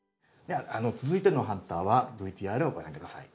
続いてのハンターはＶＴＲをご覧下さい。